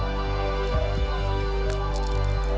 ขอบคุณครับ